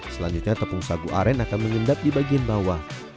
selanjutnya tepung sagu aren akan mengendap di bagian bawah